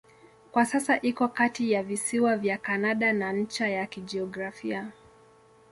Kwa sasa iko kati ya visiwa vya Kanada na ncha ya kijiografia.